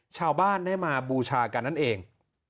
ชาวบ้านได้มาบูชากันนั่นเอง